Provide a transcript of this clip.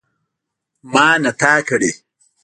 ما نه تا کړی.